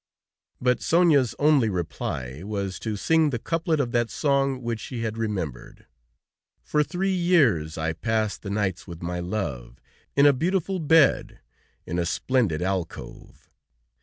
But Sonia's only reply was to sing the couplet of that song which she had remembered: "For three years I passed The nights with my love, In a beautiful bed In a splendid alcove.